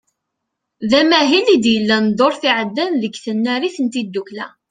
D amahil i d-yellan ddurt iɛeddan deg tnarit n tiddukla.